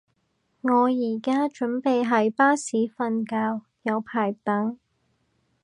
我而家準備喺巴士瞓覺，有排等